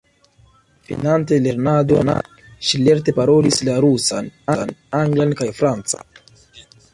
Finante lernadon ŝi lerte parolis la rusan, anglan kaj francan.